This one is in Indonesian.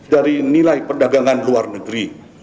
dari nilai perdagangan luar negeri